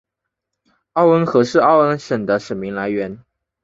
奥恩河是奥恩省的省名来源。